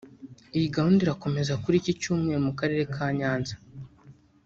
Iyi gahunda irakomeza kuri iki Cyumweru mu karere ka Nyanza